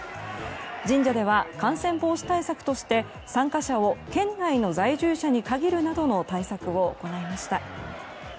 神社では感染防止対策として参加者を県内の在住者に限るなどの対策を行いました。